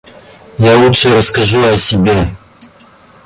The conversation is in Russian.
Я лучше расскажу о себе.